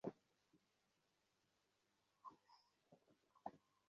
কিন্তু করুণার একি দায় হইল।